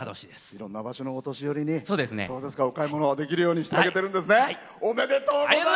いろんな場所のお年寄りにお買い物ができるようにしてあげてるんですね。